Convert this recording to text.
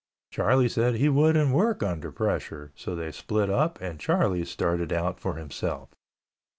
Charlie said he wouldn't work under pressure so they split up and Charlie started out for himself.